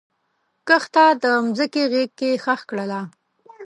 کښته د مځکې غیږ کې ښخ کړله